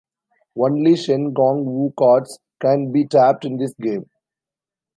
Only Shen Gong Wu cards can be tapped in this game.